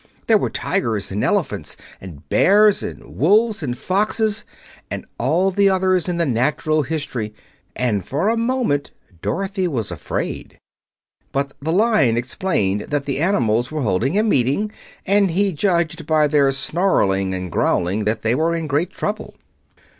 There were tigers and elephants and bears and wolves and foxes and all the others in the natural history, and for a moment Dorothy was afraid. But the Lion explained that the animals were holding a meeting, and he judged by their snarling and growling that they were in great trouble.